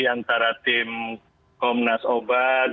antara tim komnas obat